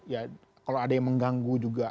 ya kalau ada yang mengganggu juga